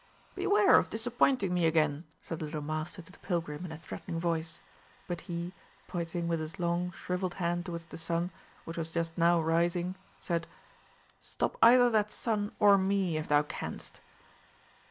"Beware of disappointing me again!" said the little Master to the pilgrim in a threatening voice; but he, pointing with his long, shrivelled hand towards the sun, which was just now rising, said, "Stop either that sun or me, if thou canst!"